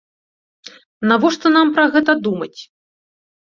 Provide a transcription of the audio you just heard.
Навошта нам пра гэта думаць?